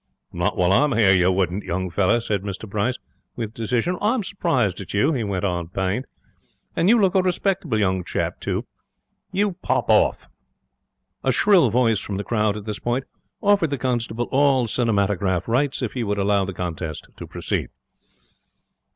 'Not while I'm here you wouldn't, young fellow,' said Mr Bryce, with decision. 'I'm surprised at you,' he went on, pained. 'And you look a respectable young chap, too. You pop off.' A shrill voice from the crowd at this point offered the constable all cinematograph rights if he would allow the contest to proceed.